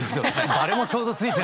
誰も想像ついてない。